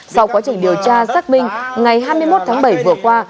sau quá trình điều tra xác minh ngày hai mươi một tháng bảy vừa qua